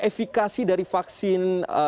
efikasi dari vaksin misalnya sebutnya vaxin vaxin